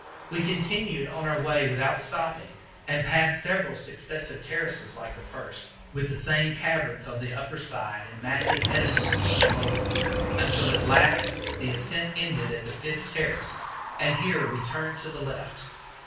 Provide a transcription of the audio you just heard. We continued on our way without stopping, and passed several successive terraces like the first, with the same caverns on the upper side and massive edifices on the lower, until at last the ascent ended at the fifth terrace, and here we turned to the left.